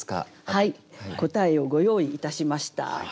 はい答えをご用意いたしました。